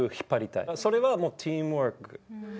それはチームワーク。